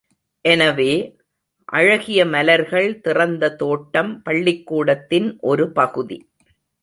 எனவே, அழகிய மலர்கள் திறைந்த தோட்டம் பள்ளிக்கூடத்தின் ஒரு பகுதி.